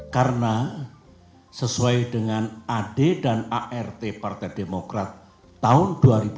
karena sesuai dengan ad dan art partai demokrat tahun dua ribu dua puluh